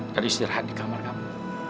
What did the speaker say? teristirahat di kamar kamu